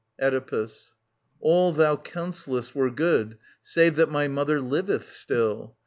Oedipus. All thou counsellest Were good, save that my mother liveth still.